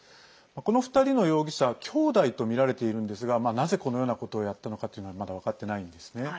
この２人の容疑者兄弟とみられているんですがなぜこのようなことをやったのかっていうのはまだ分かっていないんですね。